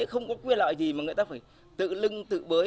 không có quyền lợi gì mà người ta phải tự lưng tự bới